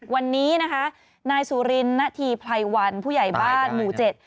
วันนี้นะคะนายสุรินณฑีไพรวันผู้ใหญ่บ้านหมู่เจ็ด